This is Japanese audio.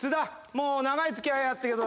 もう長い付き合いやったけど。